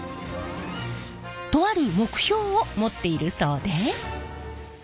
とある目標を持っているそうで。